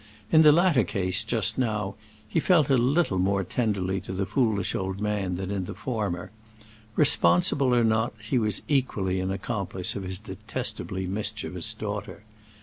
In the latter case, just now, he felt little more tenderly to the foolish old man than in the former. Responsible or not, he was equally an accomplice of his detestably mischievous daughter.